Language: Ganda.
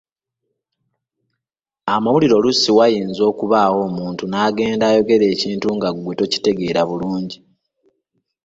Amawulire oluusi wayinza okubaawo omuntu n’agenda ayogera ekintu nga ggwe tokitegeera bulungi.